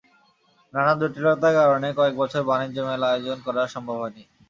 নানা জটিলতার কারণে কয়েক বছর বাণিজ্য মেলা আয়োজন করা সম্ভব হয়নি।